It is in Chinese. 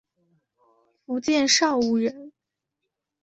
福建邵武人。